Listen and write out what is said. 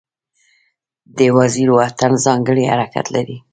د وزیرو اتن ځانګړی حرکت لري.